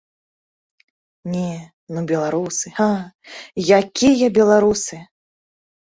Не, ну беларусы, а, якія беларусы!